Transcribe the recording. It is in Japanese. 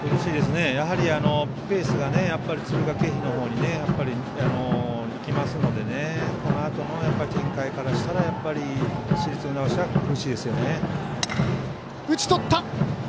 やはり、ペースが敦賀気比の方にいきますのでこのあとの展開からしたらやっぱり、市立船橋は苦しいですよね。